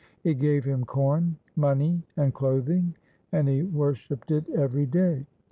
It gave him corn, money, and clothing, and he worshipped it every day.